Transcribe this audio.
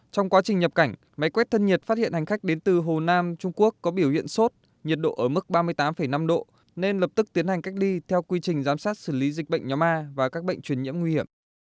trong quá trình nhập cảnh máy quét thân nhiệt phát hiện hành khách đến từ hồ nam trung quốc có biểu hiện sốt nhiệt độ ở mức ba mươi tám năm độ nên lập tức tiến hành cách ly theo quy trình giám sát xử lý dịch bệnh nhóm a và các bệnh truyền nhiễm nguy hiểm